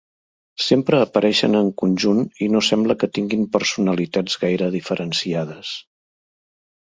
Sempre apareixen en conjunt i no sembla que tinguin personalitats gaire diferenciades.